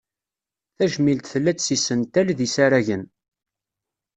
Tajmilt tella-d s yisental, d yisaragen.